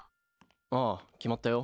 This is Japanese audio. ああ決まったよ。